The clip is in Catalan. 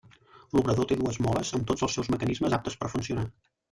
L'obrador té dues moles amb tots els seus mecanismes aptes per funcionar.